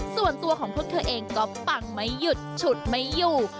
ส่วนตัวของพวกเธอเองก็ปังไม่หยุดฉุดไม่อยู่